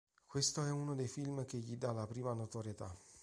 Questo è uno dei film che gli dà la prima notorietà.